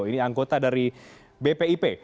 ini anggota dari bpip